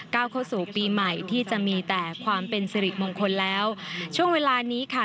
เข้าสู่ปีใหม่ที่จะมีแต่ความเป็นสิริมงคลแล้วช่วงเวลานี้ค่ะ